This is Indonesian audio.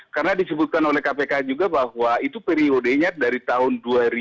karena disebutkan oleh kpk juga bahwa itu periodenya dari tahun dua ribu